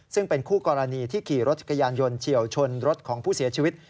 ซึ่งเป็นคู่กรณีที่ขี่รถจักรยานยนต์เฉียวชนรถของผู้เสียชีวิต